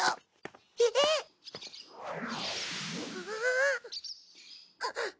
あっ。